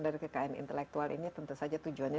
dari kekayaan intelektual ini tentu saja tujuannya